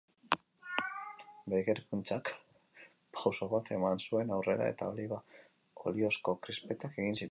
Bere ikerkuntzak pauso bat eman zuen aurrera eta oliba oliozko krispetak egin zituen.